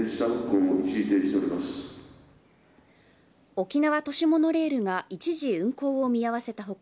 沖縄都市モノレールが一時運行を見合わせた他